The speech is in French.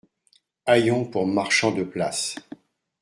Hayons pour marchands de place.